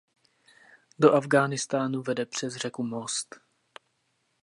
Do Afghánistánu vede přes řeku most.